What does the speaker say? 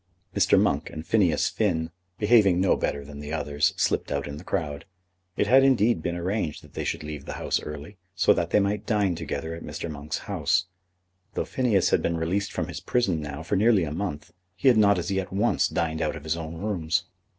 Mr. Monk and Phineas Finn, behaving no better than the others, slipped out in the crowd. It had indeed been arranged that they should leave the House early, so that they might dine together at Mr. Monk's house. Though Phineas had been released from his prison now for nearly a month, he had not as yet once dined out of his own rooms.